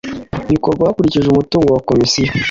bikorwa hakurikijwe umutungo wa komisiyo